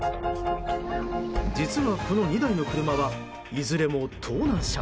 実は、この２台の車はいずれも盗難車。